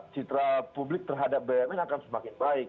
citra publik terhadap bumn akan semakin baik